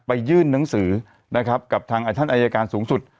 ยื่นหนังสือนะครับกับทางท่านอายการสูงสุด